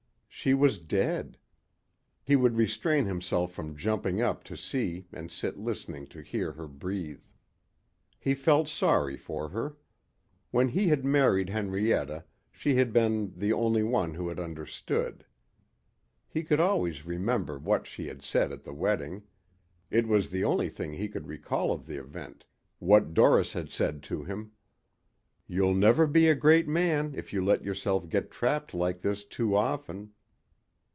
She was dead! He would restrain himself from jumping up to see and sit listening to hear her breathe. He felt sorry for her. When he had married Henrietta she had been the only one who had understood. He could always remember what she had said at the wedding. It was the only thing he could recall of the event what Doris had said to him.... "You'll never be a great man if you let yourself get trapped like this too often."